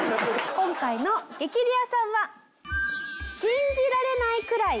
今回の激レアさんは。